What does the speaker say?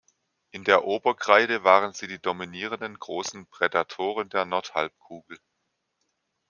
In der Oberkreide waren sie die dominierenden großen Prädatoren der Nordhalbkugel.